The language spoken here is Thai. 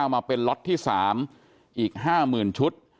มาเป็นล็อตที่๓อีก๕๐๐๐ชุด